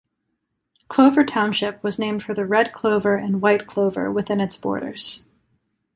Clover Township was named for the red clover and white clover within its borders.